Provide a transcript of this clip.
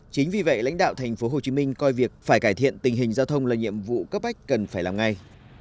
chính vì vậy lãnh đạo thành phố hồ chí minh coi việc phải cải thiện tình hình giao thông là nhiệm vụ các bách cần phải làm ngay